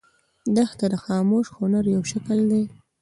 دښته د خاموش هنر یو شکل دی.